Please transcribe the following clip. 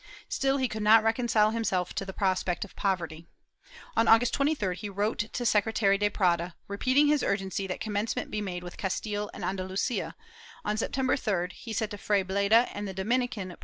Still, he could not reconcile himself to the prospect of poverty. On August 23d he wrote to Secretary de Prada repeating his urgency that commencement be made with Castile and Anda lusia and, on September 3d, he said to Fray Bleda and the Domin • Danvila y CoUado, pp.